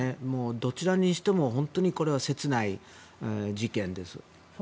どちらにしても本当にこれは切ない事件です。